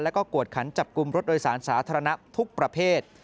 แล้วก็กวดขันจับกลุ่มรถโดยสารสาธารณะทุกประเภท